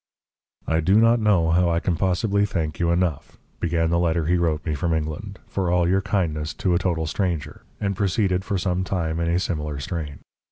"I do not know how I can possibly thank you enough," began the letter he wrote me from England, "for all your kindness to a total stranger," and proceeded for some time in a similar strain.